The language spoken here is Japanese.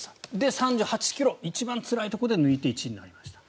３８ｋｍの一番つらいところで抜いて１位になりました。